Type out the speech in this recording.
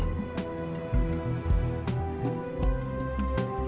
saya juga ingin mencoba